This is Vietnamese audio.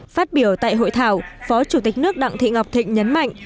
phát biểu tại hội thảo phó chủ tịch nước đặng thị ngọc thịnh nhấn mạnh